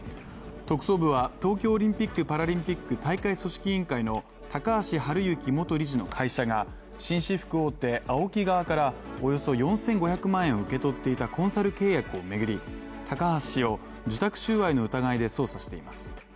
特捜部は東京オリンピック・パラリンピック大会組織委員会の高橋治之元理事の会社が紳士服大手・ＡＯＫＩ側からおよそ４５００万円を受け取っていたコンサル契約を巡り、高橋氏を受託収賄の疑いで捜査しています。